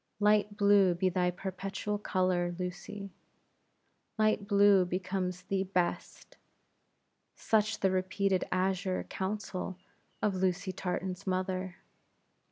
Light blue be thy perpetual color, Lucy; light blue becomes thee best such the repeated azure counsel of Lucy Tartan's mother.